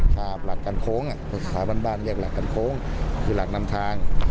ภาพหลักการโค้งอ่ะภาพบ้านบ้านเรียกหลักการโค้งคือหลักนำทาง